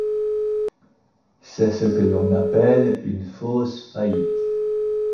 C'est ce que l'on appelle une fausse faillite.